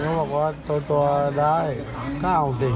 ก็คือปกติก็ไม่ได้มีปัญหาส่วนตัวกันมาก่อนใช่ไหม